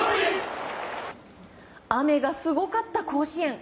雨がすごかった甲子園。